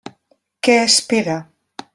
Què espera?